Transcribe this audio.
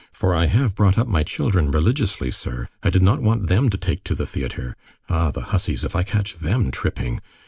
—For I have brought up my children religiously, sir. I did not want them to take to the theatre. Ah! the hussies! If I catch them tripping!